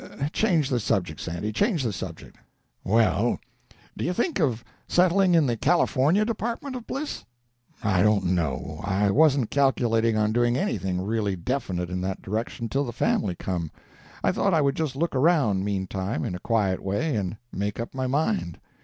Change the subject, Sandy, change the subject." "Well, do you think of settling in the California department of bliss?" "I don't know. I wasn't calculating on doing anything really definite in that direction till the family come. I thought I would just look around, meantime, in a quiet way, and make up my mind.